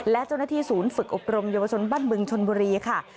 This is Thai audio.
และเจ้าหน้าที่ศูนย์ฝึกอบรมเยาวชนบ้านบึงชนบุรีค่ะ